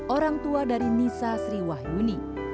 orang tua dari nisa sriwahyuni